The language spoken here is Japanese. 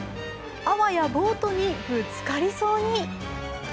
あわや、ボートにぶつかりそうに。